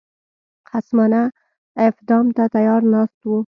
خصمانه افدام ته تیار ناست وو.